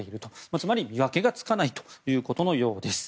つまり見分けがつかないということのようです。